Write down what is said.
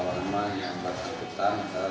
teman teman yang berkumpulan